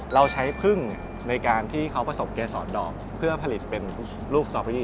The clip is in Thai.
เราใช้พึ่งในการที่เขาประสบเกษรดอกเพื่อผลิตเป็นลูกสตอเบอรี่